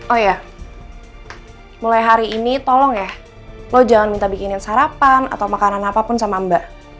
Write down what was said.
oh ya mulai hari ini tolong ya lo jangan minta bikinin sarapan atau makanan apapun sama mbak